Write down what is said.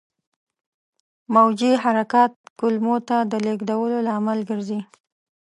موجي حرکات کولمو ته د لېږدولو لامل ګرځي.